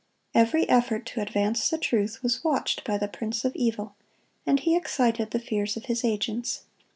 Every effort to advance the truth was watched by the prince of evil, and he excited the fears of his agents.